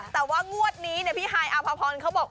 แต่ว่างวดนี้พี่ฮายอาภพรเขาบอก